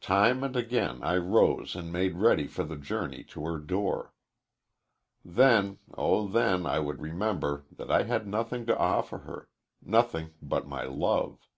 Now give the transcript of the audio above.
Time and again I rose and made ready for the journey to her door. Then, oh, then I would remember that I had nothing to offer her nothing but my love.